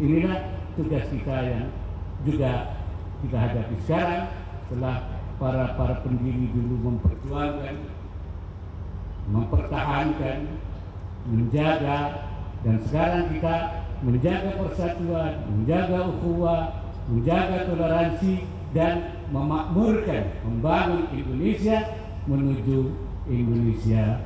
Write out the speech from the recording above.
inilah tugas kita yang juga kita hadapi sekarang setelah para pendiri dulu mempertahankan menjaga dan sekarang kita menjaga persatuan menjaga ufua menjaga toleransi dan memakmurkan pembangunan indonesia menuju indonesia